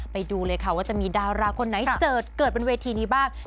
ไปดูเลยค่ะว่าจะมีดาราคนไหนเจิดเกิดบนเวทีนี้บ้าง